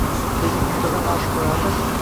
Tezlik muntazam oshib borayotir!